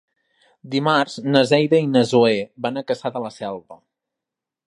Dimarts na Neida i na Zoè van a Cassà de la Selva.